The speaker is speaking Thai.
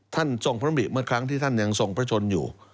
ทรงพระมริเมื่อครั้งที่ท่านยังทรงพระชนอยู่